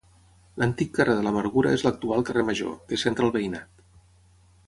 L'antic carrer de l'Amargura és l'actual Carrer Major, que centra el veïnat.